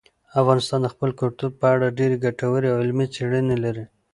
افغانستان د خپل کلتور په اړه ډېرې ګټورې او علمي څېړنې لري.